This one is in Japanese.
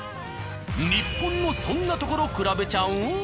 日本のそんなところ比べちゃう？